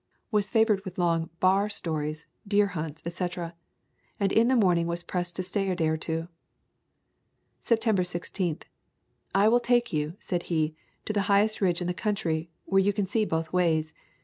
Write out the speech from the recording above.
Was favored with long "bar" stories, deer hunts, etc., and in the morning was pressed to stay a day or two. September 16. "I will take you," said he, "to the highest ridge in the country, where you can see both ways.